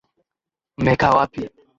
Mmekaa wapi?